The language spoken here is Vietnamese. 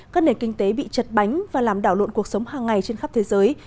các nền kinh tế bị chật bánh và làm đảo lộn cuộc sống hàng ngày trên khắp thế giới